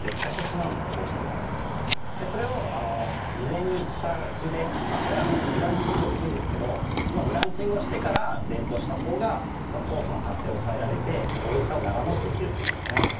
それを事前に下ゆでこれブランチングというんですけどそのブランチングをしてから冷凍したほうが酵素の活性を抑えられておいしさを長もちできるということですね。